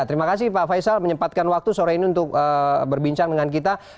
terima kasih pak faisal menyempatkan waktu sore ini untuk berbincang dengan kita